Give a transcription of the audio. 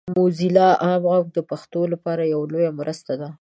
موزیلا عام غږ د پښتو لپاره یوه لویه مرسته ده.